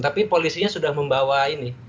tapi polisinya sudah membawa ini